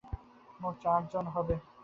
মোট, চারজন হবে।